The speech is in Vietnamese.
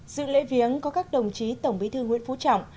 dự lễ viếng có các đồng chí tổng bí thư nguyễn phú trọng